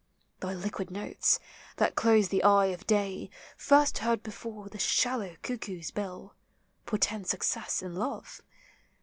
Thy liquid notes, that close the eye of day, First heard before the shallow cuckoo's bill, Portend success in love.